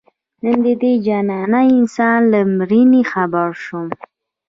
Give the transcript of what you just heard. نن د دې جانانه انسان له مړیني خبر شوم